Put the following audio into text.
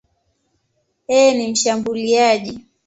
Yeye ni mshambuliaji.